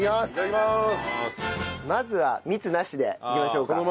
まずは蜜なしでいきましょうか。